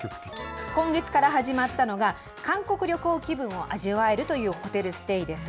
今月から始まったのが、韓国旅行気分を味わえるというホテルステイです。